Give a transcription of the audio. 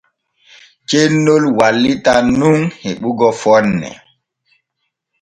Cennol wallitan nun heɓugo fonne.